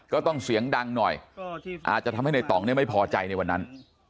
ก็ต้องเสียงดังหน่อยอาจจะทำให้ในต่องเนี่ยไม่พอใจในวันนั้น